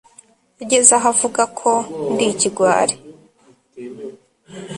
Yageze aho avuga ko ndi ikigwari